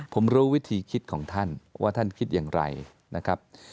ผมรู้วิธีคิดของท่านว่าท่านคิดอย่างไรนะครับ